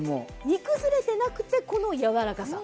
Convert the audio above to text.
煮崩れてなくてこの軟らかさ。